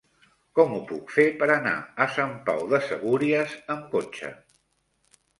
Com ho puc fer per anar a Sant Pau de Segúries amb cotxe?